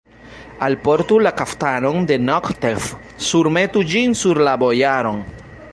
Alportu la kaftanon de Nogtev, surmetu ĝin sur la bojaron!